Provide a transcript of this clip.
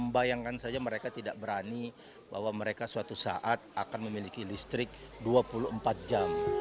bayangkan saja mereka tidak berani bahwa mereka suatu saat akan memiliki listrik dua puluh empat jam